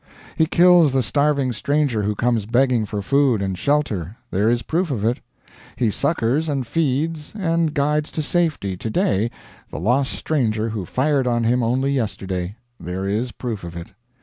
He kills the starving stranger who comes begging for food and shelter there is proof of it. He succors, and feeds, and guides to safety, to day, the lost stranger who fired on him only yesterday there is proof of it.